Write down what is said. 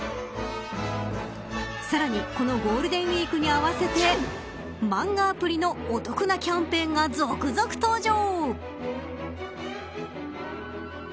さらにこのゴールデンウイークに合わせてマンガアプリのお得なキャンペーンが続々登場。